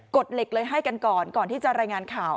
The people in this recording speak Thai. เหล็กเลยให้กันก่อนก่อนที่จะรายงานข่าว